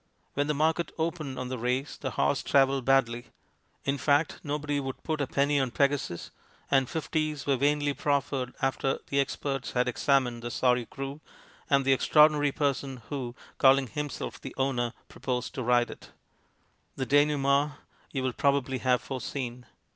When the market opened on the race the horse travelled badly ; in fact, nobody would put a penny on Pegasus, and fifties were vainly proffered after the experts had examined the sorry screw, and the extraordinary person who, calling himself the owner, proposed to ride it. The denouement you will probably have foreseen.